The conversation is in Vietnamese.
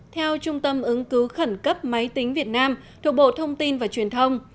theo trung tâm ứng cứu khẩn cấp máy tính việt nam thuộc bộ thông tin và truyền thông